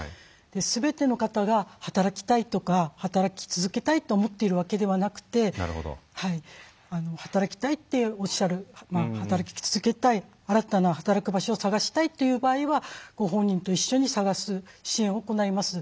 すべての方が働きたいとか働き続けたいと思っているわけではなくて働きたいっておっしゃる働き続けたい新たな働く場所を探したいという場合はご本人と一緒に探す支援を行います。